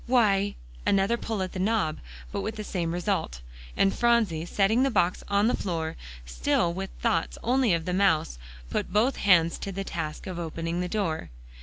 "Why" another pull at the knob; but with the same result, and Phronsie, setting the box on the floor, still with thoughts only of the mouse, put both hands to the task of opening the door.